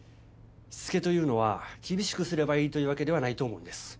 躾というのは厳しくすればいいというわけではないと思うんです。